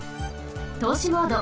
とうしモード。